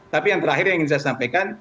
tapi yang terakhir yang ingin saya sampaikan